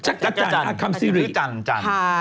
จักรจันทร์คำซีรีส์